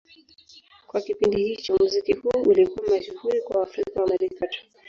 Kwa kipindi hicho, muziki huu ulikuwa mashuhuri kwa Waafrika-Waamerika tu.